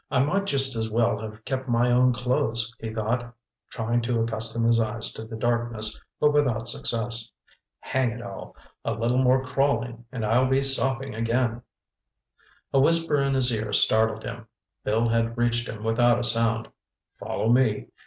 "I might just as well have kept my own clothes," he thought, trying to accustom his eyes to the darkness, but without success. "Hang it all—a little more crawling, and I'll be sopping again!" A whisper in his ear startled him. Bill had reached him without a sound. "Follow me.